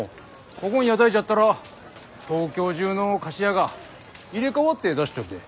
ここん屋台じゃったら東京中の菓子屋が入れ代わって出しちょっで。